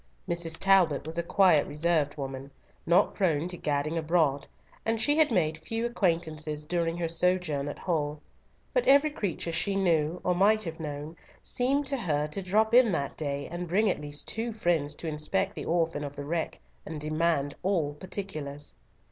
Mrs. Talbot was a quiet, reserved woman, not prone to gadding abroad, and she had made few acquaintances during her sojourn at Hull; but every creature she knew, or might have known, seemed to her to drop in that day, and bring at least two friends to inspect the orphan of the wreck, and demand all particulars.